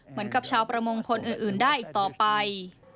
เหมือนกับชาวประมงคนอื่นได้อีกต่อไป